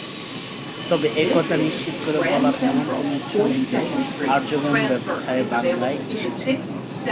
তবে একথা নিশ্চিত করে বলার এমন কোনো উৎস নেই যে, আর্যগণ ব্যাপকহারে বাংলায় এসেছিল।